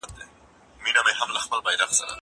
زه اوس کتابتوننۍ سره وخت تېرووم!